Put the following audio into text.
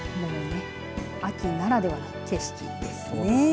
秋ならではの景色ですね。